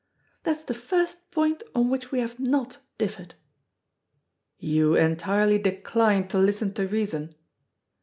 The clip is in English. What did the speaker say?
"That is the first point on which we have not differed." "You entirely decline to listen to reason?"